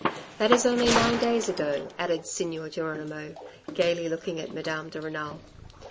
That is only nine days ago, added Signor Geronimo, gaily looking at Madame de Renal.